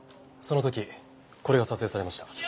その時これが撮影されました。